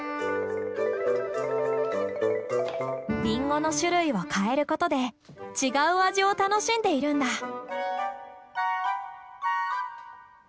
リンゴの種類を変えることで違う味を楽しんでいるんだ。